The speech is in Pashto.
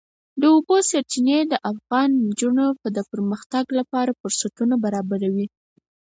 د اوبو سرچینې د افغان نجونو د پرمختګ لپاره فرصتونه برابروي.